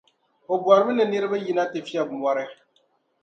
O bɔrimi ni niriba yina ti fiɛbi mɔri.